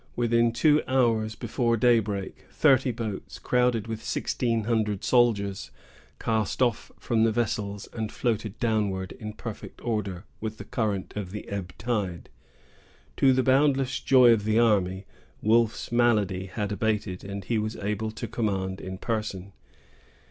Within two hours before daybreak, thirty boats, crowded with sixteen hundred soldiers, cast off from the vessels, and floated downward, in perfect order, with the current of the ebb tide. To the boundless joy of the army, Wolfe's malady had abated, and he was able to command in person.